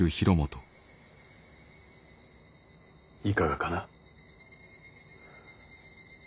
いかがかな。